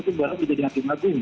barang barang menjadi hakim lagung